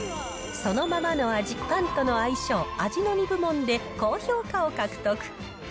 そのままの味、パンとの相性、味の２部門で高評価を獲得。